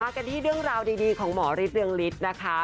กันที่เรื่องราวดีของหมอฤทธเรืองฤทธิ์นะคะ